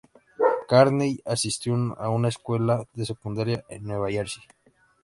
Carney asistió a una escuela de secundaria en Nueva Jersey.